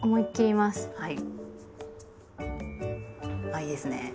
あいいですねぇ。